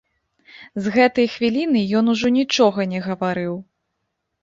З гэтай хвіліны ён ужо нічога не гаварыў.